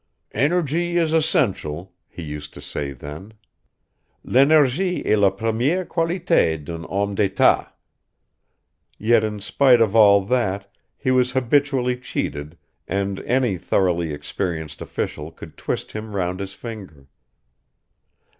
"Energy is essential," he used to say then; "l'energie est la première qualité d'un homme d'état" yet in spite of all that, he was habitually cheated, and any thoroughly experienced official could twist him round his finger.